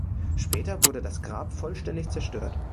Später wurde das Grab vollständig zerstört.